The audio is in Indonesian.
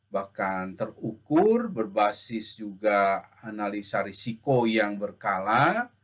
bahkan terukur berbasis juga analisa risiko yang berkala